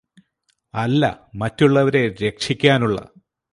അല്ല മറ്റുള്ളവരെ രക്ഷിക്കാനുള്ള